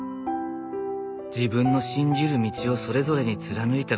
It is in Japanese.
自分の信じる道をそれぞれに貫いた２人。